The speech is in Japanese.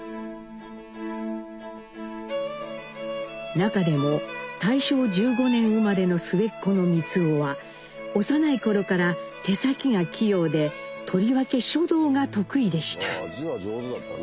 中でも大正１５年生まれの末っ子の光男は幼い頃から手先が器用でとりわけ書道が得意でした。